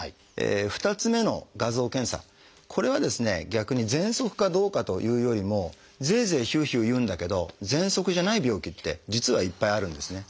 逆にぜんそくかどうかというよりもゼーゼーヒューヒューいうんだけどぜんそくじゃない病気って実はいっぱいあるんですね。